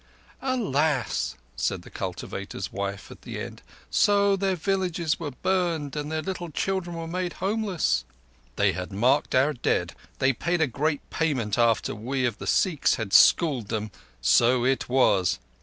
"Alas!" said the cultivator's wife at the end. "So their villages were burnt and their little children made homeless?" "They had marked our dead. They paid a great payment after we of the Sikhs had schooled them. So it was.